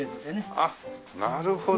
あっなるほど。